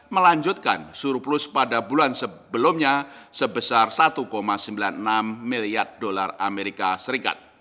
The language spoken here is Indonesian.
melanjutkan surplus pada bulan sebelumnya sebesar usd satu sembilan puluh enam miliar